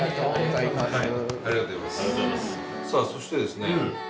さあそしてですね